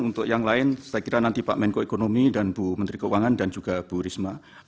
untuk yang lain saya kira nanti pak menko ekonomi dan bu menteri keuangan dan juga bu risma